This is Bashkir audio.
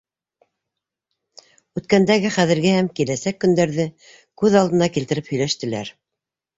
Үткәндәге, хәҙерге һәм киләсәк көндәрҙе күҙ алдына килтереп һөйләштеләр.